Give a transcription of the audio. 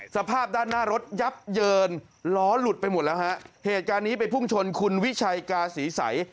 สภาพด้านหน้ารถยับเยินล้อหลุดไปหมดแล้วฮะเหตุการณ์นี้ไปพุ่งชนคุณวิชัยกาศีใส